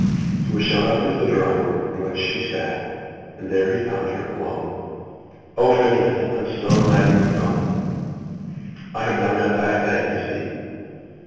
He was shown up into the drawing room in which she sat, and there he found her alone. "Oh, Phineas, I am so glad you have come." "I have done as I said, you see."